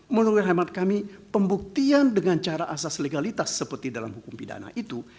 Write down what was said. menurut hemat kami pembuktian dengan cara asas legalitas seperti dalam hukum pidana itu